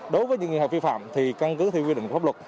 đối với những người học phi phạm thì căn cứ theo quy định pháp luật